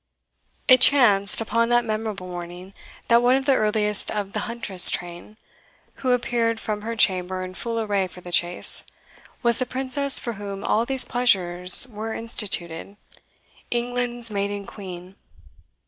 It chanced, upon that memorable morning, that one of the earliest of the huntress train, who appeared from her chamber in full array for the chase, was the Princess for whom all these pleasures were instituted, England's Maiden Queen.